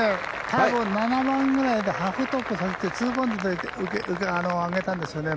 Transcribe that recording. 多分、７番くらいでハーフトップさせてツーバウンドで上げたんですね。